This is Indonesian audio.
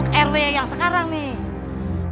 pake kondisi rw yang sekarang nih